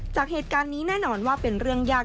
จากเหตุการณ์นี้แน่นอนว่าเป็นเรื่องยาก